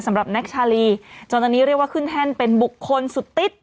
แน็กชาลีจนตอนนี้เรียกว่าขึ้นแท่นเป็นบุคคลสุดติด